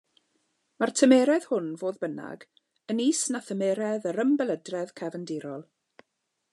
Mae'r tymheredd hwn, fodd bynnag, yn is na thymheredd yr ymbelydredd cefndirol.